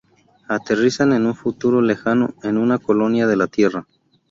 Aterrizan en un futuro lejano en una colonia de la Tierra.